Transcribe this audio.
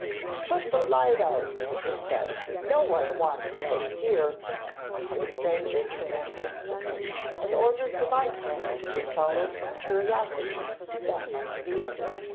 'Put out the light,' it said. 'No one wants lights here,' and the stranger turned instantly and ordered the bystanders who had followed from curiosity, back to the inn.